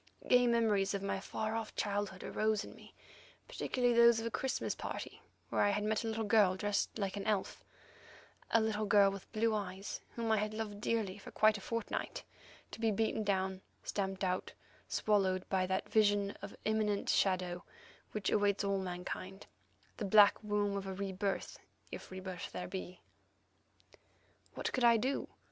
Gay memories of my far off childhood arose in me, particularly those of a Christmas party where I had met a little girl dressed like an elf, a little girl with blue eyes whom I had loved dearly for quite a fortnight, to be beaten down, stamped out, swallowed by that vision of the imminent shadow which awaits all mankind, the black womb of a re birth, if re birth there be. What could I do?